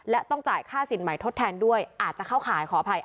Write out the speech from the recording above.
และต้องจ่ายค่าสินใหม่ทดแทนด้วยอาจจะเข้าขายขออภัย